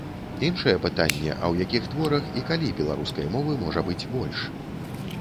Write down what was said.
Іншае пытанне, а ў якіх творах і калі беларускай мовы можа быць больш?